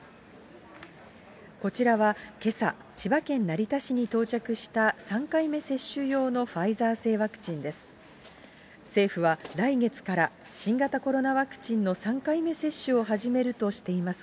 こちらは、けさ、千葉県成田市に到着した３回目接種用のファイザー製ワクチンです。